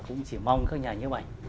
cũng chỉ mong các nhà như vậy